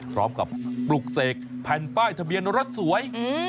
พร้อมกับปลุกเสกแผ่นป้ายทะเบียนรถสวย